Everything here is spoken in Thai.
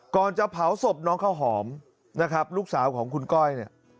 ก่อนจะเผาศพน้องข้าวหอมนะครับลูกสาวของคุณก้อยเนี่ย